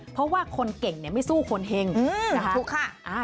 เพราะว่าคนเก่งไม่สู้คนเห็งสาธุค่ะ